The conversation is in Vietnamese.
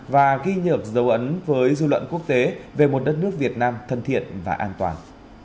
và ghi nhược dấu ấn với du lận quốc tế về một đất nước việt nam thân thiện và an toàn